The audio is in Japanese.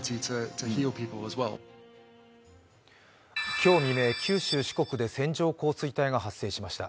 今日未明、九州・四国で線状降水帯が発生しました。